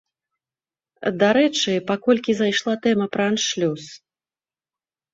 Дарэчы, паколькі зайшла тэма пра аншлюс.